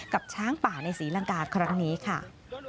กับช้างป่าในศรีลังกาลค่อนข้างนี้ค่ะ